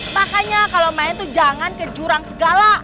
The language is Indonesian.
makanya kalau main tuh jangan ke jurang segala